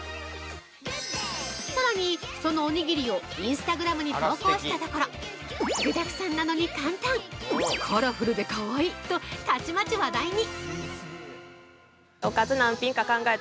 さらに、そのおにぎりをインスタグラムに投稿したところ「具だくさんなのに簡単」「カラフルでかわいい」とたちまち話題に！